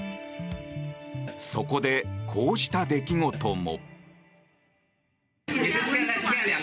そこで、こうした出来事も。